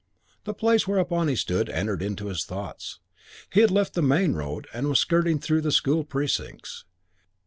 The place whereon he stood entered into his thoughts. He had left the main road and was skirting through the school precincts.